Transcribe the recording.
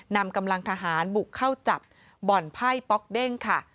นำกำลังทหารบุกเข้าจับบ่อนไพ่ป๊อกเด้งค่ะ